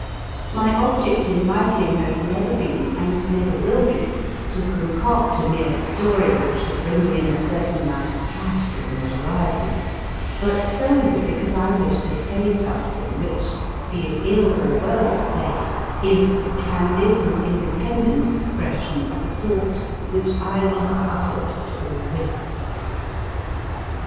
My object in writing has never been, and never will be, to concoct a mere story which shall bring me in a certain amount of cash or notoriety, but solely because I wish to say something which, be it ill or well said, is the candid and independent expression of a thought which I will have uttered at all risks.